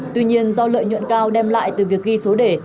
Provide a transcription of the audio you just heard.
tuy nhiên do lợi nhuận cao đem lại từ việc ghi số đề